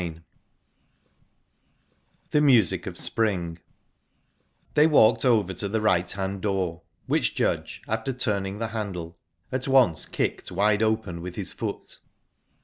Chapter XV THE MUSIC OF SPRING They walked over to the right hand door, which Judge, after turning the handle, at once kicked wide open with his foot...